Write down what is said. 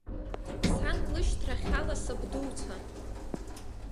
Сан лышьҭрахь ала сабдуцәа.